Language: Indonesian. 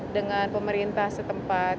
dengan pemerintah setempat